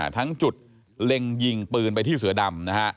ทั้งจุดเล็งยิงปืนไปที่เสือดำนะฮะ